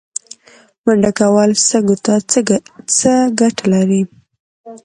منډه کول سږو ته څه ګټه لري؟